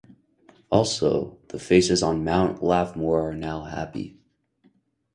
Also, the faces on Mount Laughmore are now happy.